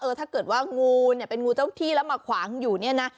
ถ้าเกิดว่างูเนี่ยเป็นงูเจ้าที่แล้วมาขวางอยู่เนี่ยนะ